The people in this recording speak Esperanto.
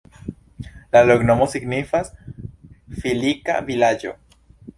La loknomo signifas: filika-vilaĝo.